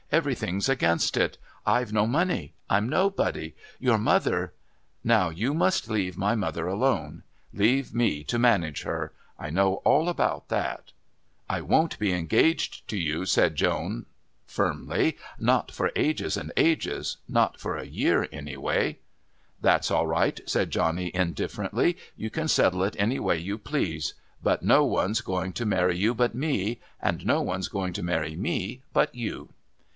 Everything's against it. I've no money. I'm nobody. Your mother " "Now you just leave my mother alone. Leave me to manage her I know all about that " "I won't be engaged to you," Joan said firmly, "not for ages and ages not for a year anyway." "That's all right," said Johnny indifferently. "You can settle it any way you please but no one's going to marry you but me, and no one's going to marry me but you."